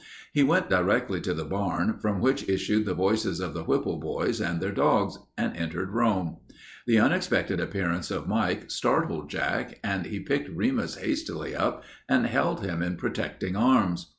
He went directly to the barn, from which issued the voices of the Whipple boys and their dogs, and entered Rome. The unexpected appearance of Mike startled Jack, and he picked Remus hastily up and held him in protecting arms.